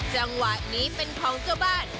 จังหวะนี้เป็นของเจ้าบ้าน